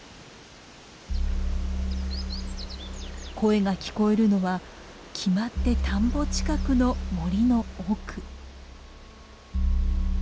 声が聞こえるのは決まって田んぼ近くの森の奥。